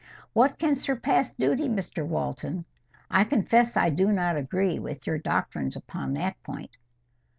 "What can surpass duty, Mr Walton? I confess I do not agree with your doctrines upon that point."